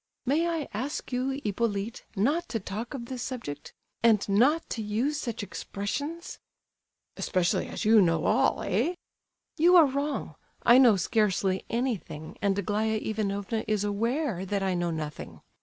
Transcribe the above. "May I ask you, Hippolyte, not to talk of this subject? And not to use such expressions?" "Especially as you know all, eh?" "You are wrong. I know scarcely anything, and Aglaya Ivanovna is aware that I know nothing.